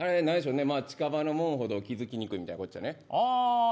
近場のもんほど気付きにくいみたいなもん。